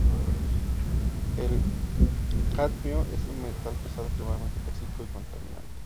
El cadmio es un metal pesado extremadamente tóxico y contaminante.